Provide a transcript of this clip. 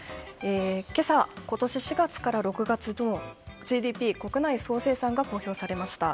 今朝、今年４月から６月のＧＤＰ・国内総生産が公表されました。